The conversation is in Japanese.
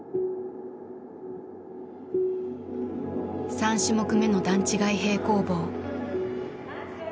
３種目目の段違い平行棒。